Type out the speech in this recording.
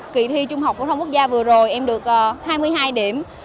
kỳ thi trung học phổ thông quốc gia vừa rồi em được hai mươi hai điểm